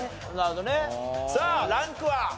さあランクは？